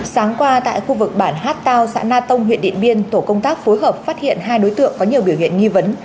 sáng qua tại khu vực bản hát tao xã na tông huyện điện biên tổ công tác phối hợp phát hiện hai đối tượng có nhiều biểu hiện nghi vấn